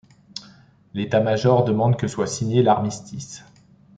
L'État-major demande que soit signé l'armistice.